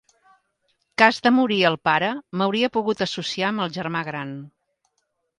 Cas de morir el pare, m'hauria pogut associar amb el germà gran.